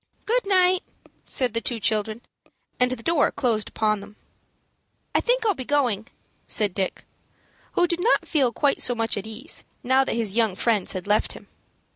"Good night," said the two children, and the door closed upon them. "I think I'll be going," said Dick, who did not feel quite so much at ease, now that his young friends had left him.